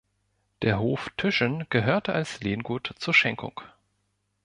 Der Hof Tüschen gehörte als Lehngut zur Schenkung.